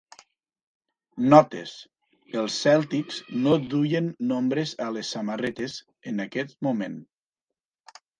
Notes: els Celtics no duien nombres a les samarretes en aquest moment.